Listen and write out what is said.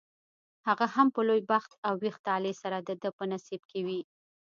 هغه هم په لوی بخت او ویښ طالع سره دده په نصیب کې وي.